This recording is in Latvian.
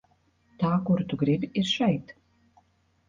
Tā kuru tu gribi, ir šeit?